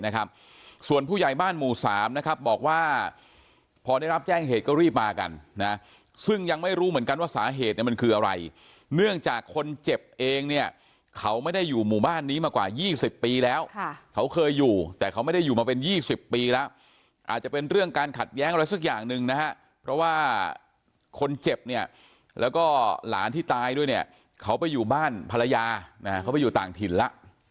ก็แย่งเหตุก็รีบมากันนะซึ่งยังไม่รู้เหมือนกันว่าสาเหตุมันคืออะไรเนื่องจากคนเจ็บเองเนี่ยเขาไม่ได้อยู่หมู่บ้านนี้มากว่า๒๐ปีแล้วเขาเคยอยู่แต่เขาไม่ได้อยู่มาเป็น๒๐ปีแล้วอาจจะเป็นเรื่องการขัดแย้งอะไรสักอย่างนึงนะครับเพราะว่าคนเจ็บเนี่ยแล้วก็หลานที่ตายด้วยเนี่ยเขาไปอยู่บ้านภรรยานะเขาไปอยู่ต่างถิ่นละ